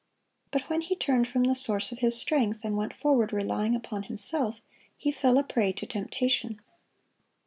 But when he turned from the Source of his strength, and went forward relying upon himself, he fell a prey to temptation.